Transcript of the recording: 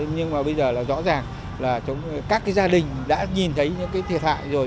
nhưng mà bây giờ là rõ ràng là các gia đình đã nhìn thấy những thiệt hại rồi